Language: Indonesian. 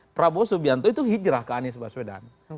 prabowo subianto itu hijrah ke anies baswedan